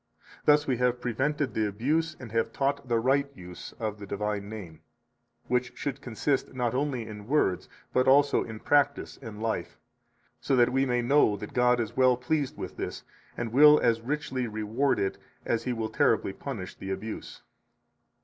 Thus we have prevented the abuse and have taught the right use of the divine name, which should consist not only in words, but also in practise and life, so that we may know that God is well pleased with this, and will as richly reward it as He will terribly punish the abuse.